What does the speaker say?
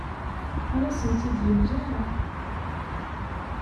Ur asen-tt-id-yemla ara.